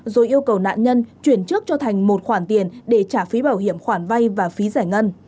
rồi yêu cầu nạn nhân chuyển trước cho thành một khoản tiền để trả phí bảo hiểm khoản vay và phí giải ngân